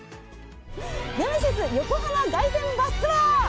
ネメシス横浜凱旋バスツアー。